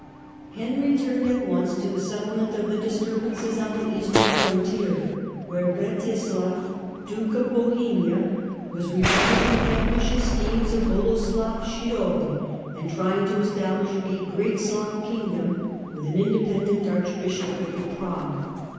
Henry turned at once to the settlement of the disturbances on the eastern frontier, where Bretislav, Duke of Bohemia, was reviving the ambitious schemes of Boleslav Chabry, and trying to establish a great Slav kingdom, with an independent arch bishopric at Prague.